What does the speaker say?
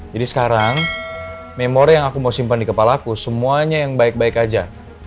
jadi sekarang memori yang aku mau simpan di kepala aku semuanya yang baik baik aja